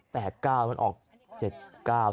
๘๙มันออก๗๙ใช่ไหม